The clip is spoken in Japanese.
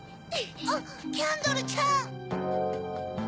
あっキャンドルちゃん！